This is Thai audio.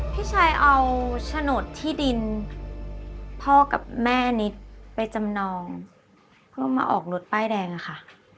พี่ชายเอาโฉนดที่ดินพ่อกับแม่นิดไปจำนองเพื่อมาออกรถป้ายแดงอะค่ะ